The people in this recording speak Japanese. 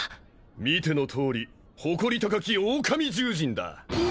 見てのとおり誇り高き狼獣人だ